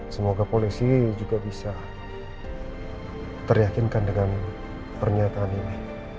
semoga polisi juga bisa teryakinkan dengan pernyataan ini